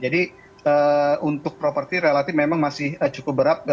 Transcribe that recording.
jadi untuk properti relatif memang masih cukup berharap